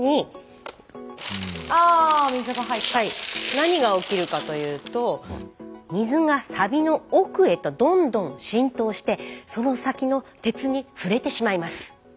何が起きるかというと水がサビの奥へとどんどん浸透してその先の鉄に触れてしまいます。